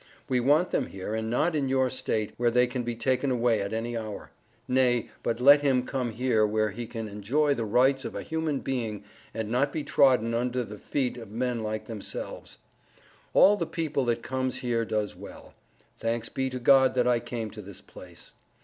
We want them here and not in your State where they can be taken away at any hour. Nay but let him come here where he can Enjoy the Rights of a human being and not to be trodden under the feet of men like themselves. All the People that comes here does well. Thanks be to God that I came to this place.